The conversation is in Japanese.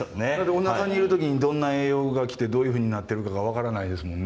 おなかにいるときにどんな栄養が来てどういうふうになってるかが分からないですもんね。